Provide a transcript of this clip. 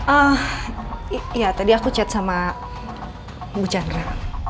ah iya tadi aku chat sama bu jandra